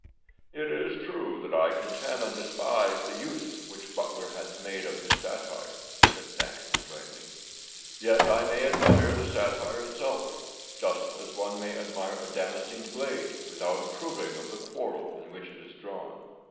'It is true that I contemn and despise the use which Butler hath made of his satire,' said Saxon adroitly; 'yet I may admire the satire itself, just as one may admire a damascened blade without approving of the quarrel in which it is drawn.